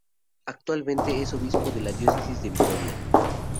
Actualmente es obispo de la Diócesis de Vitoria.